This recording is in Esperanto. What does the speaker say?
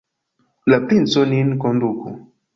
La princo nin konduku!